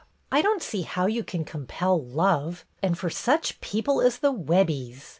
" I don't see how you can compel love, — and for such people as the Webbies!